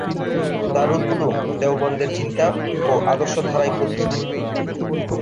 দারুল উলুম দেওবন্দের চিন্তা ও আদর্শধারায় প্রতিষ্ঠিত।